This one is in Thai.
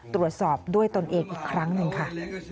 ตรวจสอบด้วยตนเองอีกครั้งหนึ่งค่ะ